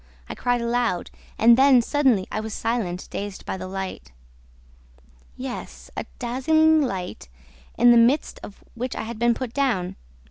I cried aloud. And then, suddenly, I was silent, dazed by the light... Yes, a dazzling light in the midst of which I had been put down.